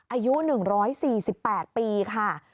อายุ๑๔๘ปีค่ะ